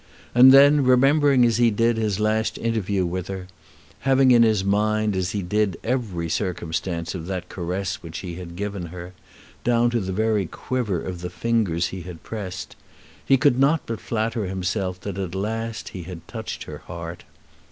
And then, remembering as he did his last interview with her, having in his mind as he did every circumstance of that caress which he had given her, down to the very quiver of the fingers he had pressed, he could not but flatter himself that at last he had touched her heart.